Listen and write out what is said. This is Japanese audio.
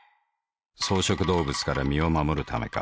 草食動物から身を護るためか。